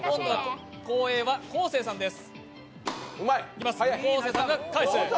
後衛は昴生さんです。